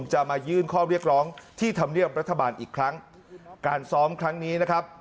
จะมายื่นข้อเรียกร้องที่ธรรมเนียบรัฐบาลอีกครั้งการซ้อมครั้งนี้นะครับ